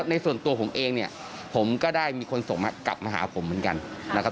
ในส่วนตัวผมเองเนี่ยผมก็ได้มีคนส่งกลับมาหาผมเหมือนกันนะครับ